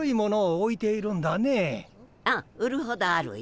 ああ売るほどあるよ。